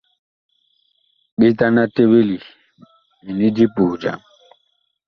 Ɓetan a teɓeli mini di puh jam.